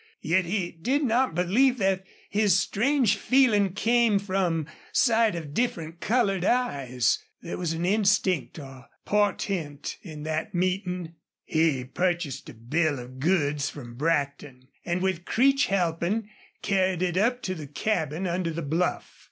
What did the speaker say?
Yet he did not believe that his strange feeling came from sight of different colored eyes. There was an instinct or portent in that meeting. He purchased a bill of goods from Brackton, and, with Creech helping, carried it up to the cabin under the bluff.